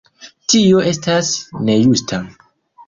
Tio estas nejusta.